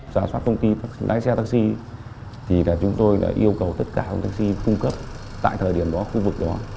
giả soát công ty lái xe taxi thì chúng tôi đã yêu cầu tất cả công taxi cung cấp tại thời điểm đó khu vực đó